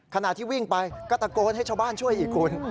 ขณะที่วิ่งไปก็ตะโกนให้ชาวบ้านช่วยอีกคุณ